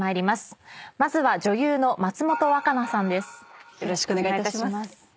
まずは女優の松本若菜さんです。